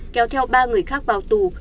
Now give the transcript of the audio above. kéo theo ba người khác vào tù